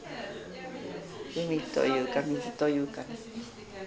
海というか水というかね。